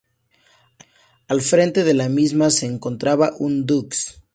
Al frente de la misma se encontraba un "dux".